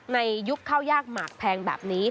ในยุคข้าวยากหมากแพงแบบนี้